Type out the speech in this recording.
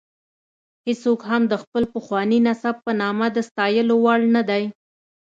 هېڅوک هم د خپل پخواني نسب په نامه د ستایلو وړ نه دی.